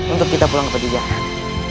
untuk kita pulang ke kebijakan